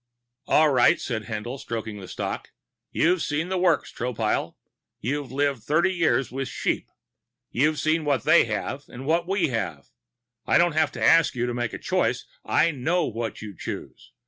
"All right," said Haendl, stroking the stock. "You've seen the works, Tropile. You've lived thirty years with sheep. You've seen what they have and what we have. I don't have to ask you to make a choice. I know what you choose.